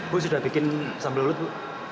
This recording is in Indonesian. bu sudah bikin sambal ulut bu